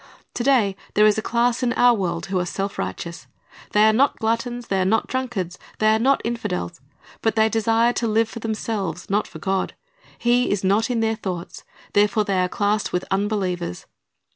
To day there is a class in our world who are self righteous. They are not gluttons, they are not drunkards, they are not infidels; but they desire to live for themselves, not for God. He is not in their thoughts; therefore they are classed with unbelievers.